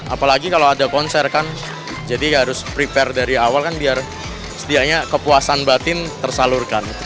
apalagi kalau ada konser kan jadi harus prepare dari awal kan biar sedianya kepuasan batin tersalurkan